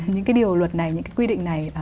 những cái điều luật này những cái quy định này